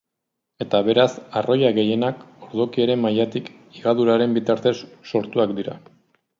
Eta beraz arroila gehienak ordokiaren mailatik higaduraren bitartez sortuak dira.